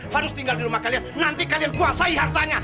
harus tinggal di rumah kalian nanti kalian kuasai hartanya